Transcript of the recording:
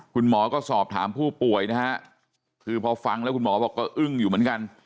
คุณหมอก็สอบถามผู้ป่วยนะฮะคือพอฟังแล้วคุณหมอบอกก็อึ้งอยู่เหมือนกัน